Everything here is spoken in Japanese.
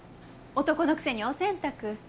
男のくせにお洗濯。